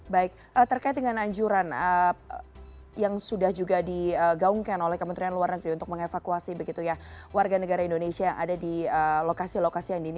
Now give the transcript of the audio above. baik terkait dengan anjuran yang sudah juga digaungkan oleh kementerian luar negeri untuk mengevakuasi warga negara indonesia yang ada di lokasi lokasi yang dini